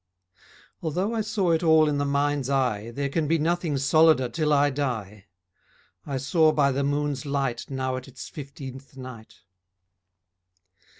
Although I saw it all in the mind's eye There can be nothing solider till I die; I saw by the moon's light Now at its fifteenth night.